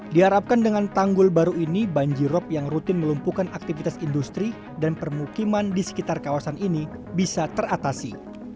diharapkan dengan tanggul baru ini banjirop yang rutin melumpuhkan aktivitas industri dan permukiman di sekitar kawasan ini bisa teratasi